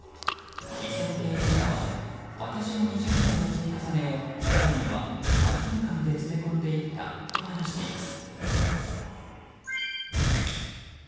店の経営者は私の２０年の積み重ねを犯人は３分間で詰め込んでいったと話しています。